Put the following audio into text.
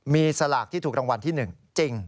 มีสลากที่ถูกรางวัลที่๑จริง